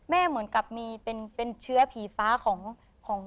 คือแม่เหมือนกับมีเป็นเชื้อผีฟ้าของยาย